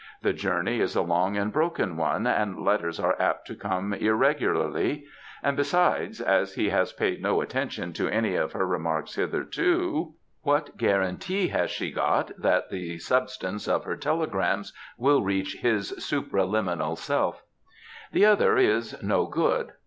The journey is a long and broken one, and letters are apt to come irr^ularly ; and besides, as he has paid no attention to any of her remarks hitherto, what guarantee has she got that the substance of her telegrams will reach his supraliminal self? The other is no good.